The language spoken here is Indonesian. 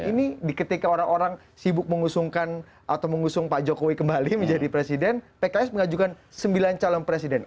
ini ketika orang orang sibuk mengusungkan atau mengusung pak jokowi kembali menjadi presiden pks mengajukan sembilan calon presiden